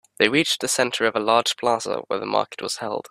They reached the center of a large plaza where the market was held.